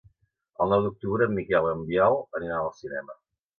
El nou d'octubre en Miquel i en Biel aniran al cinema.